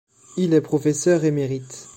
Il est professeur émérite.